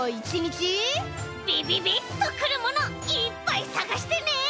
ビビビッとくるものいっぱいさがしてね。